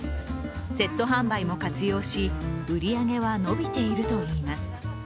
セット販売も活用し、売り上げは伸びているといいます。